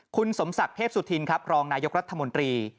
คุณสมศักดิ์เทพสุธินครับรองนายกรัฐมนตรี